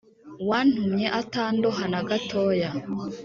Wantumye atandoha na gatoya